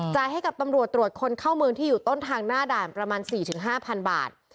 จาให้กับตำรวจตรวจคนเข้ามือที่อยู่ต้นทางหน้าด่านประมาณสี่ถึงห้าพันบาท